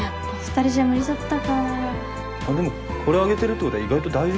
でもこれ上げてるってことは意外と大丈夫なんじゃ。